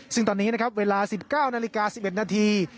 ซึ่งตอนนี้นะครับเวลา๑๙นาฬิกา๑๑นาที